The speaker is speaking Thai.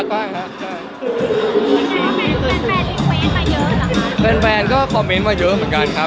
แฟนแฟนก็คอมเม้นต์มาเยอะเหมือนกันครับ